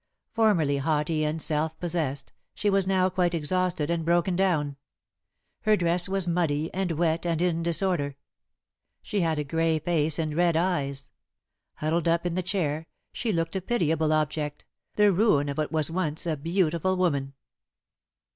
Formerly haughty and self possessed, she was now quite exhausted and broken down. Her dress was muddy and wet and in disorder. She had a grey face and red eyes. Huddled up in the chair, she looked a pitiable object the ruin of what was once a beautiful woman.